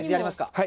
はい。